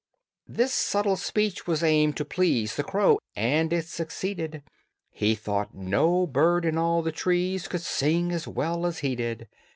'" This subtle speech was aimed to please The crow, and it succeeded: He thought no bird in all the trees Could sing as well as he did.